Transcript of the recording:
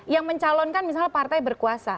yang mencalonkan misalnya partai berkuasa